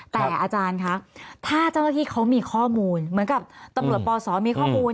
แต่อาจารย์คะถ้าเจ้าหน้าที่เขามีข้อมูลเหมือนกับตำรวจปศมีข้อมูล